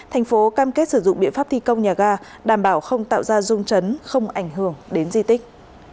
thành phố cam kết sử dụng biện pháp thi công nhà ga đảm bảo không tạo ra rung chấn không ảnh hưởng đến di tích